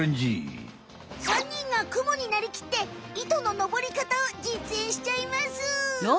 ３にんがクモになりきって糸の登り方を実演しちゃいます！